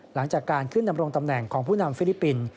หลังจากการขึ้นดำรงตำแหน่งของผู้นำฟิลิปปินส์